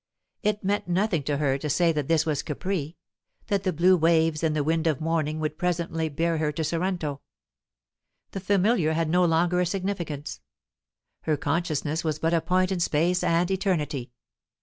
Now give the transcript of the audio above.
It meant nothing to her to say that this was Capri that the blue waves and the wind of morning would presently bear her to Sorrento; the familiar had no longer a significance; her consciousness was but a point in space and eternity.